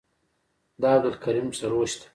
دا عبدالکریم سروش ده.